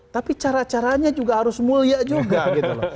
tapi cara caranya juga harus mulia juga gitu loh